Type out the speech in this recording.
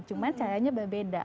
cuman caranya berbeda